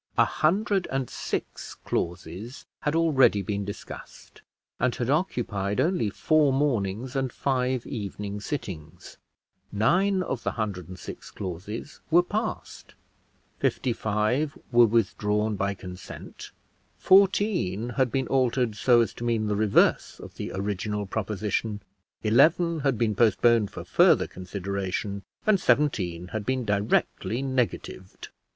A hundred and six clauses had already been discussed and had occupied only four mornings and five evening sittings; nine of the hundred and six clauses were passed, fifty five were withdrawn by consent, fourteen had been altered so as to mean the reverse of the original proposition, eleven had been postponed for further consideration, and seventeen had been directly negatived.